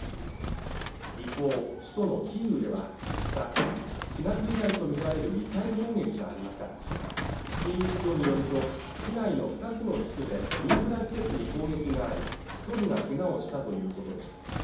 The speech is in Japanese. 一方首都のキーウでは５日４月以来とみられるミサイル攻撃がありましたキーウ市長によると市内の２つの地区でインフラ施設に攻撃があり一人がケガをしたということです